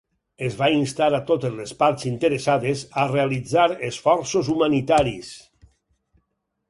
Es va instar a totes les parts interessades a realitzar esforços humanitaris.